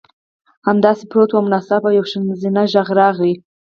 همداسې پروت وم او ناڅاپه یو ښځینه غږ راغی